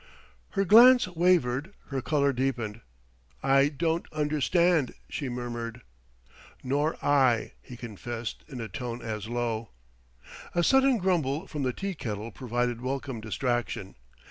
Her glance wavered: her colour deepened. "I don't understand..." she murmured. "Nor I," he confessed in a tone as low.... A sudden grumble from the teakettle provided welcome distraction.